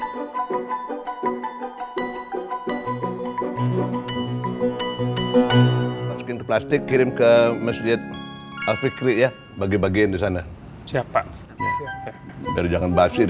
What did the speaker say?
masukin ke plastik kirim ke masjid al fiqri ya bagi bagiin di sana siap pak jangan basir